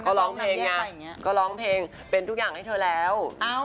ก็ร้องเพลงไงก็ร้องเพลงเป็นทุกอย่างให้เธอแล้ว